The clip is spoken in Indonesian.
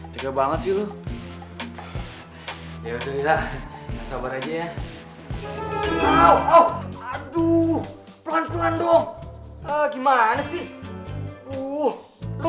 juga banget dulu ya udah tidak sabar aja ya aduh pelan pelan dong gimana sih uh lu